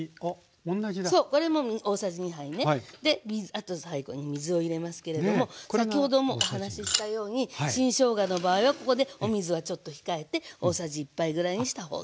あと最後に水を入れますけれども先ほどもお話ししたように新しょうがの場合はここでお水はちょっと控えて大さじ１杯ぐらいにしたほうが。